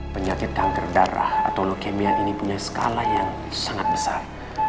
penyakit kanker darah atau leukemia ini punya skala yang sangat besar